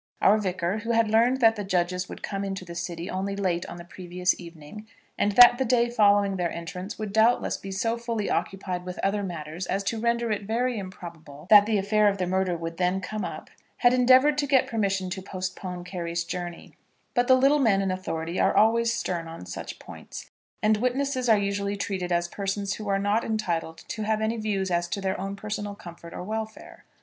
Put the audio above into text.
Our Vicar, who had learned that the judges would come into the city only late on the previous evening, and that the day following their entrance would doubtless be so fully occupied with other matters as to render it very improbable that the affair of the murder would then come up, had endeavoured to get permission to postpone Carry's journey; but the little men in authority are always stern on such points, and witnesses are usually treated as persons who are not entitled to have any views as to their own personal comfort or welfare.